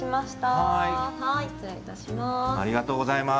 はい、失礼いたします。